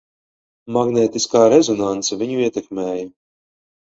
Magnētiskā rezonanse viņu ietekmēja.